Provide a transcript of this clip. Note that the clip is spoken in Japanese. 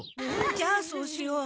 じゃあそうしよう。